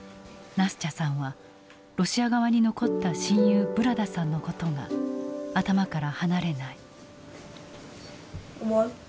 ・ナスチャさんはロシア側に残った親友ブラダさんのことが頭から離れない。